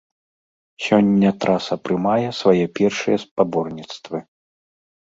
Сёння траса прымае свае першыя спаборніцтвы.